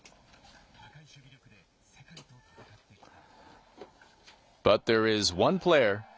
高い守備力で世界と戦ってきた。